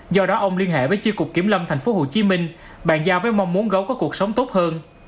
do đó ông liên hệ với chi cục kiểm lâm tp hcm bàn giao với mong muốn gấu có cuộc sống tốt hơn